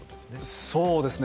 そうですね。